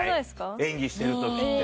演技してる時って。